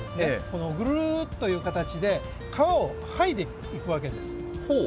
このグルーッという形で皮を剥いでいくわけです。